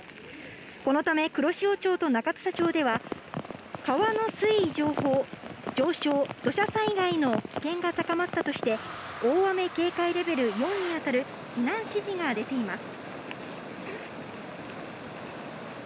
このため、黒潮町と中土佐町では、川の水位上昇、土砂災害の危険が高まったとして、大雨警戒レベル４に当たる避難指示が出ています。